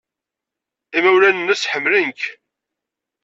Imawlan-nnes ḥemmlen-k.